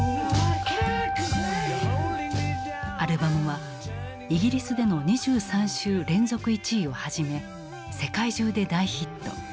アルバムはイギリスでの２３週連続１位をはじめ世界中で大ヒット。